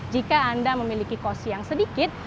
jika anda memiliki kos yang sedikit